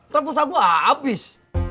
terus aku abis